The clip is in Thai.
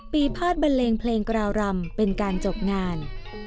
พาดบันเลงเพลงกราวรำเป็นการจบงาน